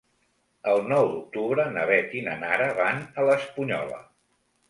El nou d'octubre na Beth i na Nara van a l'Espunyola.